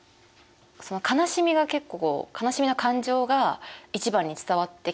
悲しみが結構悲しみの感情が一番に伝わってきたというか。